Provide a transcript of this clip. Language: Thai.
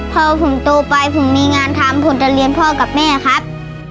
พอผมโตไปผมมีงานทำผมจะเรียนพ่อกับแม่ครับ